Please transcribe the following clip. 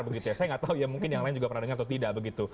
saya tidak tahu mungkin yang lain juga pernah dengar atau tidak